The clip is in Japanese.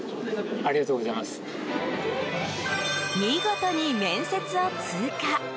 見事に面接を通過。